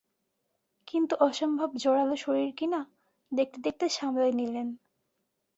কিন্তু অসম্ভব জোরালো শরীর কিনা, দেখতে দেখতে সামলে নিলেন।